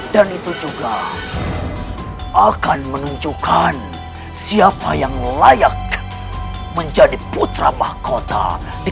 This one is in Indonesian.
dan itu juga akan menunjukkan siapa yang layak menjadi putra mahkota di